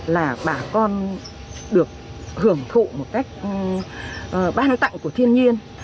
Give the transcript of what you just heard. là bà con được hưởng thụ một cách ban tặng của thiên nhiên